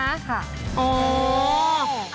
ค่ะค่ะเค้าค่ะโอ้